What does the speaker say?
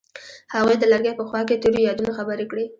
هغوی د لرګی په خوا کې تیرو یادونو خبرې کړې.